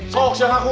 soks yang aku